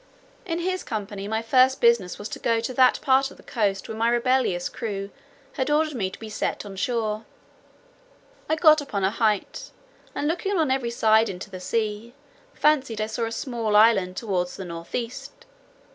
In his company, my first business was to go to that part of the coast where my rebellious crew had ordered me to be set on shore. I got upon a height, and looking on every side into the sea; fancied I saw a small island toward the north east.